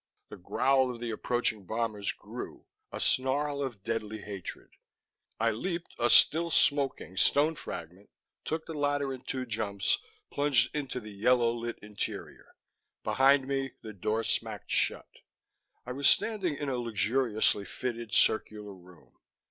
The growl of the approaching bombers grew, a snarl of deadly hatred. I leaped a still smoking stone fragment, took the ladder in two jumps, plunged into the yellow lit interior. Behind me, the door smacked shut. I was standing in a luxuriously fitted circular room.